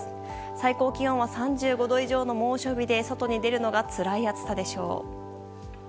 最高気温は３５度以上の猛暑日で外に出るのがつらい暑さでしょう。